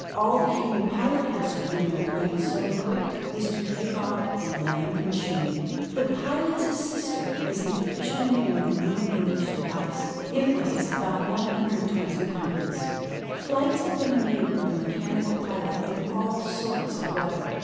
All the human pilot has to do in a plane so equipped is to take off and land the machine. The Pilot's Assister is the official name of the new English device. It weighs about 120 pounds. Flights have been made with the mechanical pilot in all sorts of weather.